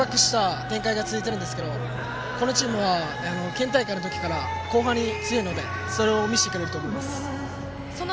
緊迫した展開が続いているんですけどこのチームは、県大会の時から後半に強いのでそれを見せてくれると思います。